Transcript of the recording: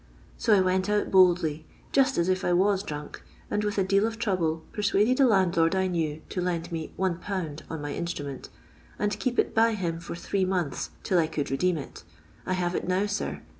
So I went out boldly, just as if I IMS dmnky and with a deal of trouble penuaded a landlord I knew to lend me 1/. on my instru ment, and keep it by him for three months, 'til I oonld redeem it. I have it now, sir.